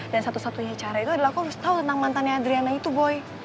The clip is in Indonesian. dan satu satunya cara itu adalah aku harus tau tentang mantannya adriana itu boy